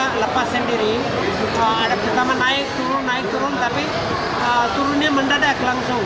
kita lepas sendiri ada pertama naik turun naik turun tapi turunnya mendadak langsung